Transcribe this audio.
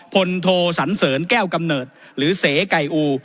โทสันเสริญแก้วกำเนิดหรือเสไก่อู